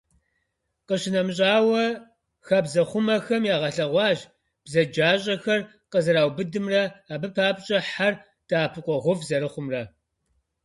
Къищынэмыщӏауэ, хабзэхъумэхэм ягъэлъэгъуащ бзаджащӏэхэр къызэраубыдымрэ, абы папщӏэ хьэр дэӏэпыкъуэгъуфӏ зэрыхъумрэ.